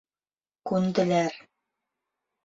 Күнделәр.